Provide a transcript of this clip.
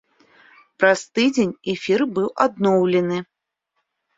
Праз тыдзень эфір быў адноўлены.